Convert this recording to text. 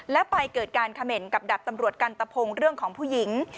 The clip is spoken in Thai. และไปเกิดการเขม่นกับดับตำรวจกันตะพงเรื่องของผู้หญิง